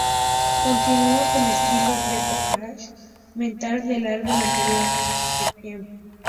Continúa con el estilo retro-thrash metal del álbum anterior, "Requiem".